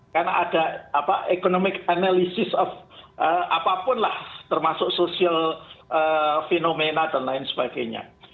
karena ada apa economic analysis of apapun lah termasuk social fenomena dan lain sebagainya